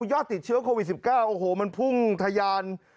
ยอดติดเชื้อโควิด๑๙โอ้โหมันพุ่งทะยาน